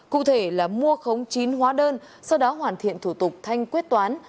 cụ thể là mua khống chín hóa đơn sau đó hoàn thiện thủ tục thanh quyết toán